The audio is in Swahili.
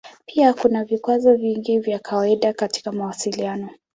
Pia kuna vikwazo vingi vya kawaida katika mawasiliano.